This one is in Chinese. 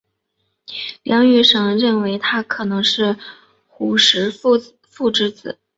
梁玉绳认为他可能是虢石父之子。